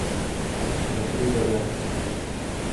لڪڙي جگاهه.